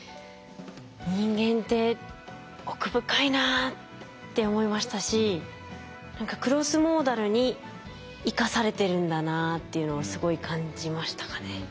人間って奥深いなって思いましたし何かクロスモーダルに生かされてるんだなっていうのをすごい感じましたかね。